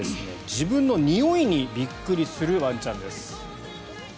自分のにおいにびっくりするワンちゃんです。